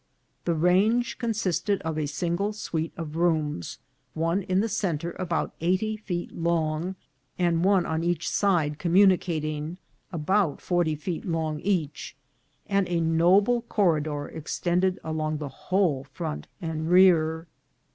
The range consisted of a single suite of rooms, one in the centre about eighty feet long, and one on each side, communicating, about forty feet long each, and a noble corridor extended along the whole front and rear.